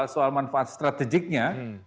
soal manfaat stratejiknya